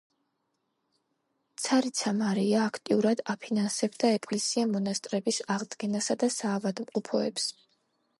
ცარიცა მარია აქტიურად აფინანსებდა ეკლესია-მონასტრების აღდგენასა და საავადმყოფოებს.